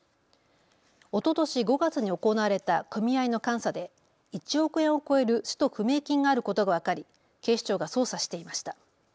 おととし５月に行われた組合の監査で１億円を超える使途不明金があることが分かり警視庁が捜査していました。